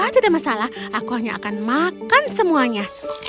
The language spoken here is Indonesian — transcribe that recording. tidak masalah aku hanya akan makan semuanya